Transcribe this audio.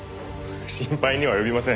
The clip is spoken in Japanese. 心配には及びません。